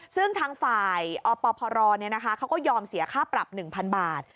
ซึ่งทางฝ่ายอปพรเขาก็ยอมเสียค่าปรับ๑๐๐๐บาท